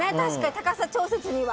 高さ調節には。